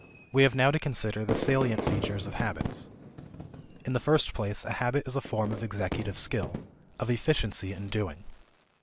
We have now to consider the salient features of habits. In the first place, a habit is a form of executive skill, of efficiency in doing.